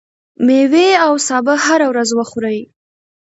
ميوې او سابه هره ورځ وخورئ.